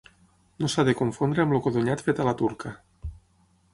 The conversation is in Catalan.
No s'ha de confondre amb el codonyat fet a la turca.